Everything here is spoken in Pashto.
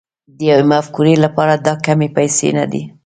د يوې مفکورې لپاره دا کمې پيسې نه دي.